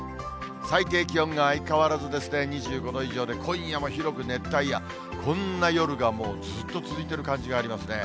最低気温が相変わらず２５度以上で、今夜も広く熱帯夜、こんな夜が、もうずっと続いている感じがありますね。